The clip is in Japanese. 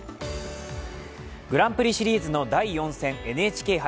グランプリシリーズの第４戦、ＮＨＫ杯。